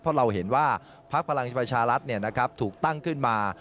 เพราะเราเห็นว่าพักพลังประชารัฐถูกตั้งขึ้นมา